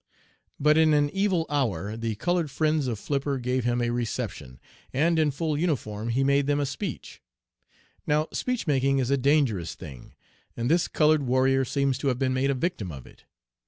But in an evil hour the colored friends (?) of Flipper gave him a reception, and in full uniform he made them a speech. Now speech making is a dangerous thing, and this colored warrior seems to have been made a victim of it.